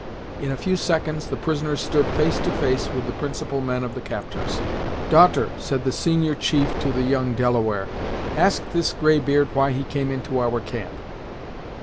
In a few seconds the prisoners stood face to face with the principal men of the captors. "Daughter," said the senior chief to the young Delaware, "ask this grey beard why he came into our camp?"